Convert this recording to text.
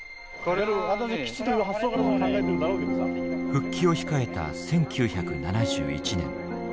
復帰を控えた１９７１年。